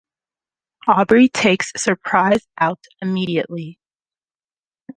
Aubrey takes "Surprise" out immediately.